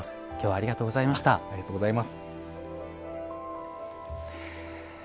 ありがとうございます。